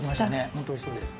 ほんとおいしそうです。